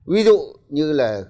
ví dụ như là